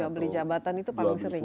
beli jabatan itu paling sering